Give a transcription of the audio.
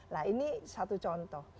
nah ini satu contoh